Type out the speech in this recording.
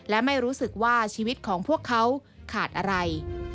และไม่รู้สึกว่าชีวิตของพวกเขาขาดอะไร